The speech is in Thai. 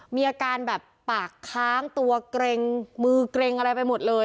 มีอาการแบบปากค้างตัวเกร็งมือเกร็งอะไรไปหมดเลย